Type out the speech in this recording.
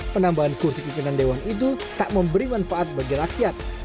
penambahan kursi pimpinan dewan itu tak memberi manfaat bagi rakyat